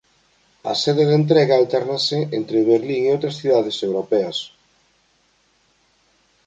A sede de entrega altérnase entre Berlín e outras cidades europeas.